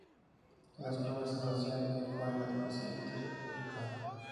Las promesas hacían eco en la naciente república.